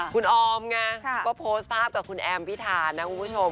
คุณออมไงก็โพสต์ภาพกับคุณแอมพิธานะคุณผู้ชม